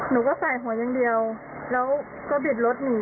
หนูก็ใส่หัวอย่างเดียวแล้วก็บิดรถหนี